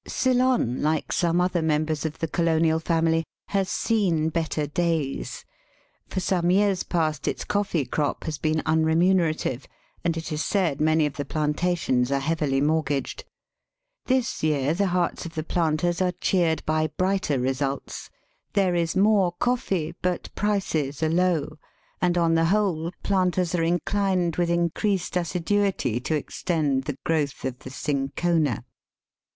Ceylon, like some other members of the colonial family, has seen better days. For some years past its coffee crop has been unremunerative, and it is said many of the plantations are heavily mortgaged. This year the hearts of the planters are cheered by brighter results. There is more coffee, but prices are low, and on the whole planters are inclined with increased assiduity to extend the growth of the cinchona.